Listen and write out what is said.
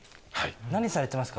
何されてますか？